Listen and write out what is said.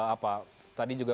apa tadi juga